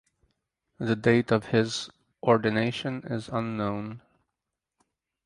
The date of his ordination is unknown.